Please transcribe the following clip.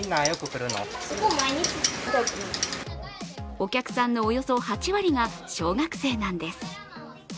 お客さんのおよそ８割が小学生なんです。